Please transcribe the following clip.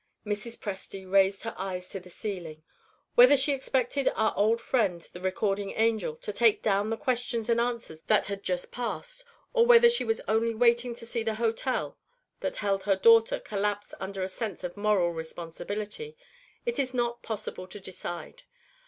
Mrs. Presty raised her eyes to the ceiling. Whether she expected our old friend "the recording angel" to take down the questions and answers that had just passed, or whether she was only waiting to see the hotel that held her daughter collapse under a sense of moral responsibility, it is not possible to decide.